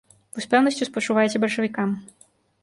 — Вы з пэўнасцю спачуваеце бальшавікам?